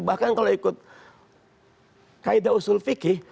bahkan kalau ikut kaedah usul fikih